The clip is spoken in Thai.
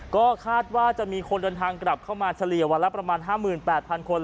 ก็คาดว่าจะมีคนเดินทางกลับเข้ามาเฉลี่ยวันละประมาณห้ามื่นแปดพันคน